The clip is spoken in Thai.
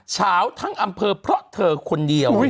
เฉาทางอำเภอการ์เนียมเพราะคนเดียว